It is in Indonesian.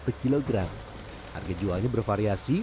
kemudian keripik tinggal dikemas dalam berbagai ukuran